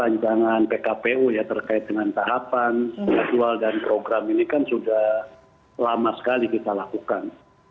rancangan pkpu ya terkait dengan tahapan jadwal dan program ini kan sudah lama sekali kita lakukan